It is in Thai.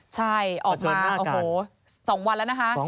ใช่ออกมา๒วันแล้วนะครับ